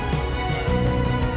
dulu belajar anak